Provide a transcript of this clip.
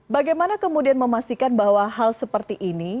bagaimana kemudian memastikan bahwa hal seperti ini